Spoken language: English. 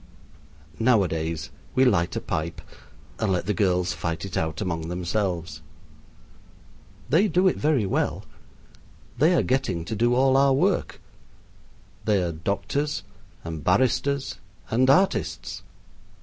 Nowadays we light a pipe and let the girls fight it out among themselves. They do it very well. They are getting to do all our work. They are doctors, and barristers, and artists.